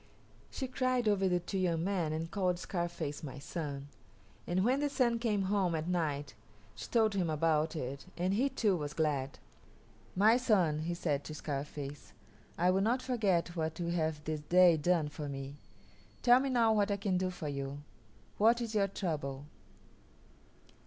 She cried over the two young men and called Scarface "My son," and when the Sun came home at night she told him about it, and he too was glad. "My son," he said to Scarface, "I will not forget what you have this day done for me. Tell me now what I can do for you; what is your trouble?"